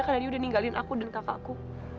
karena dia udah ninggalin aku dan kakakku